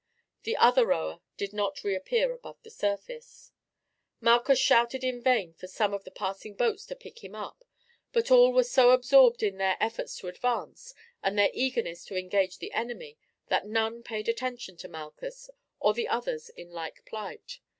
The other rower did not reappear above the surface. Malchus shouted in vain to some of the passing boats to pick him up, but all were so absorbed in their efforts to advance and their eagerness to engage the enemy that none paid attention to Malchus or the others in like plight.